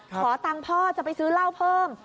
ขอตังค์พ่อจะไปซื้อเหล้าเพิ่ม